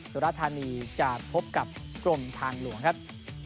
สุรธานีจะพบกับกรมทางหลวงครับ